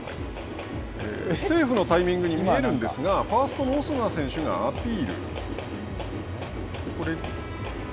セーフのタイミングに見えるんですがファーストのオスナ選手がアピール。